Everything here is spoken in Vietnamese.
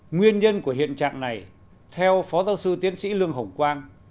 nguyên nhân của hiện trạng này theo phó giáo sư tiến sĩ lương hồng quang